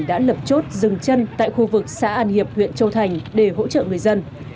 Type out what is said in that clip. đã lập chốt dừng chân tại khu vực xã an hiệp huyện châu thành để hỗ trợ người dân